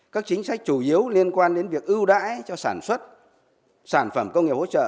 các chính sách chủ yếu liên quan đến việc ưu đãi cho sản xuất sản phẩm công nghiệp hỗ trợ